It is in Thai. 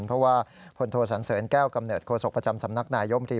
เพราะว่าผลโทสันเสร็จแก้วกำเนิดโฆษภกรรมสำนักนายยกมิตรี